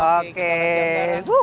oke kita latihan sekarang